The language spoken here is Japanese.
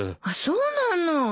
あっそうなの。